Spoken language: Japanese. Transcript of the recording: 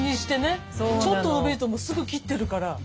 ちょっと伸びるとすぐ切ってるから。